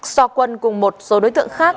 so quân cùng một số đối tượng khác